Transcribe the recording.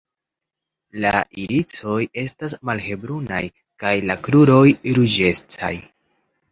La irisoj estas malhelbrunaj kaj la kruroj ruĝecaj.